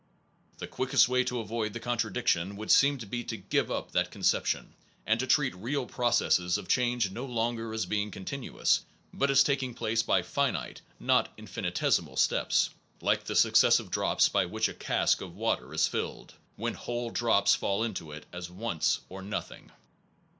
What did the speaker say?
The quickest way ite must be treated to avoid the contradiction would as dis continu seem to be to give up that concep tion, and to treat real processes of change no longer as being continuous, but as taking place by finite not infinitesimal steps, like the successive drops by which a cask of water is filled, when whole drops fall into it at once or nothing.